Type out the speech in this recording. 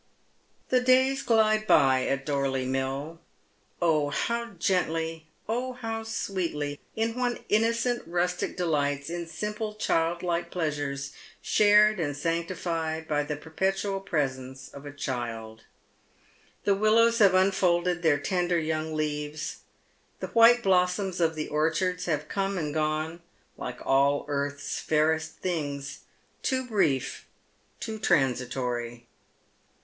The dnys glide by at Dnrley I\Iill. Oil how gently, oh how sweetly, in what innocent rustic (Ieli<!:]it8, in simple, cliiliilike pleasures, eliare<l and sanctified by tlie perpetual presence of a child I The willows have uiitolded their tender young leaves. The white blossoms of the orchards have come and gone like all earth's fairest things, too brief,' too transitory.